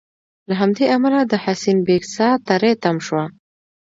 له همدې امله د حسین بېګ سا تری تم شوه.